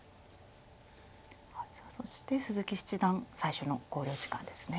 そして鈴木七段最初の考慮時間ですね。